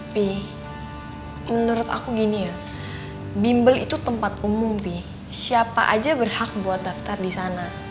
tapi menurut aku gini ya bimbel itu tempat umum nih siapa aja berhak buat daftar di sana